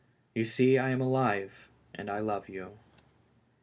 You see I am alive, and I love you."